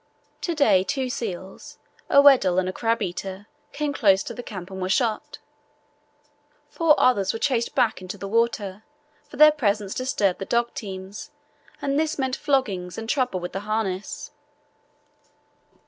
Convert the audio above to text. To day two seals, a Weddell and a crabeater, came close to the camp and were shot. Four others were chased back into the water, for their presence disturbed the dog teams, and this meant floggings and trouble with the harness.